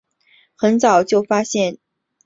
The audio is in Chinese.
很早就发现织田信长的才能。